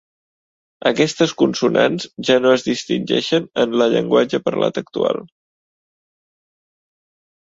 Aquestes consonants ja no es distingeixen en la llenguatge parlat actual.